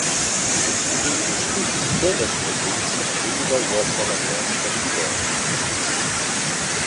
Impustüt in quellas regiuns riva uossa la posta plü bod.